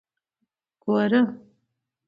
ګوره.